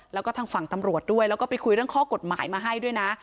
แล้วก็ทางฝั่งตำรวจด้วยแล้วก็ไปคุยเรื่องข้อกฎหมายมาให้ด้วยนะ